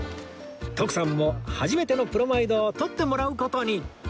徳さんも初めてのプロマイドを撮ってもらう事に！